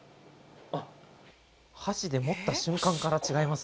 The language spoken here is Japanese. あっ箸で持った瞬間から違いますね。